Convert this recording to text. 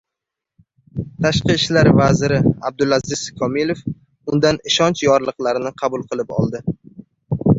Tashqi ishlar vaziri Abdulaziz Komilov undan ishonch yorliqlarini qabul qilib oldi